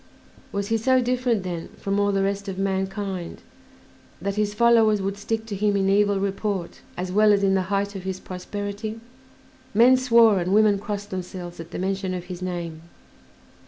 Was he so different, then, from all the rest of mankind that his followers would stick to him in evil report as well as in the height of his prosperity? Men swore and women crossed themselves at the mention of his name.